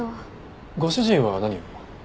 ご主人は何を？